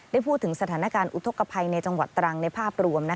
ได้พูดถึงสถานการณ์อุทธกภัยในจังหวัดตรังในภาพรวม